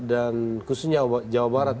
dan khususnya jawa barat